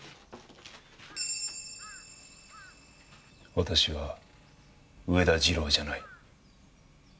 私は上田次郎じゃない。